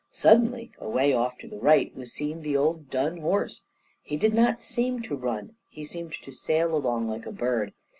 Suddenly, away off to the right, was seen the old dun horse. He did not seem to run. He seemed to sail along like a bird.